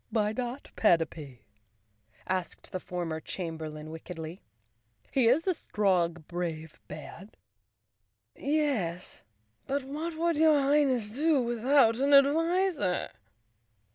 "Why not Panapee?" asked the former chamberlain wickedly. "He is a strong, brave man." Chapter One "Yes, but what would your Highness do without an adviser?"